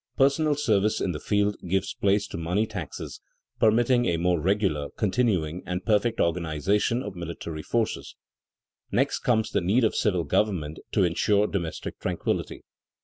Personal service in the field gives place to money taxes permitting a more regular, continuing, and perfect organization of military forces. [Sidenote: To preserve domestic order] Next comes the need of civil government to insure domestic tranquillity.